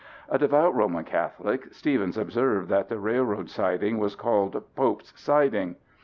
"A devout Roman Catholic, Stevens observed that the railroad siding was called 'Pope's Siding.'